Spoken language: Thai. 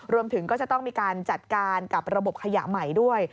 รวมถึงก็จะต้องมีการจัดการกับระบบขยะใหม่ด้วย